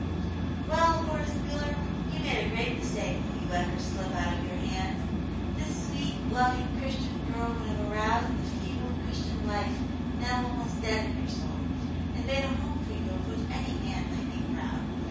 Well, Horace Wheeler, you made a great mistake when you let her slip out of your hands. This sweet, loving. Christian girl would have aroused the feeble Christian life now almost dead in your soul, and made a home for you of which any man might be proud.